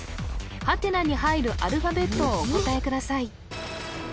ハテナに入るアルファベットをお答えください